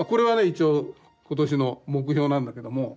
一応今年の目標なんだけども。